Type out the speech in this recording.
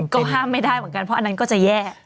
ก็ห้ามไม่ได้เหมือนกันเพราะอันนั้นก็จะแย่